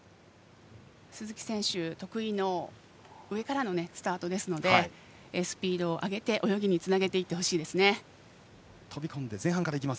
鈴木選手得意の上からのスタートですのでスピードを上げて泳ぎにつなげてほしいです。